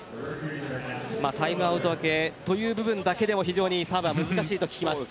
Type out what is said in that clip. タイムアウト明けという部分だけでも非常にサーブは難しいと聞きます。